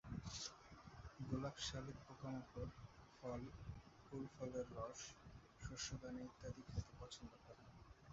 গোলাপি শালিক পোকামাকড়, ফল, ফুল-ফলের রস, শস্যদানা ইত্যাদি খেতে পছন্দ করে।